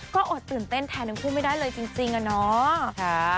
ก็อดตื่นเต้นแทนทั้งคู่ไม่ได้เลยจริงอะเนาะ